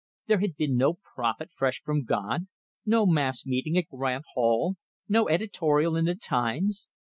There had been no "prophet fresh from God," no mass meeting at Grant Hall, no editorial in the "Times"!